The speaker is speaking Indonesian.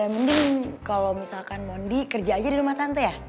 mending kalo misalkan monday kerja aja di rumah tante ya